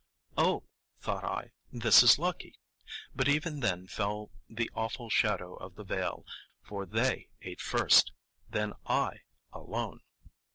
"Oh," thought I, "this is lucky"; but even then fell the awful shadow of the Veil, for they ate first, then I—alone.